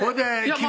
君